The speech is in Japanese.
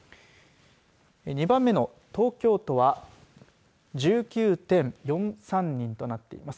２番目の東京都は１９．４３人となっています。